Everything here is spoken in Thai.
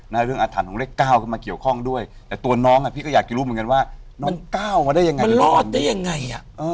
เรื่องอาถรรพ์ของเลขเก้าขึ้นมาเกี่ยวข้องด้วยแต่ตัวน้องอ่ะพี่ก็อยากจะรู้เหมือนกันว่ามันก้าวมาได้ยังไงมันรอดได้ยังไงอ่ะ